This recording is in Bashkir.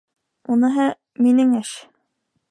Уныһы минең эш.